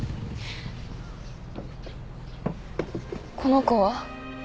この子は？